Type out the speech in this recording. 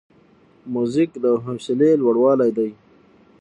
موزیک د حوصله لوړاوی دی.